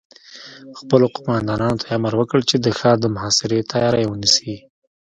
خپلو قوماندانانو ته يې امر وکړ چې د ښار د محاصرې تياری ونيسي.